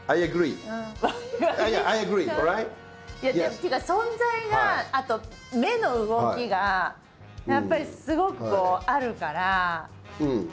っていうか存在があと目の動きがやっぱりすごくこうあるから。